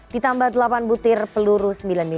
ditambah delapan butir peluru sembilan mm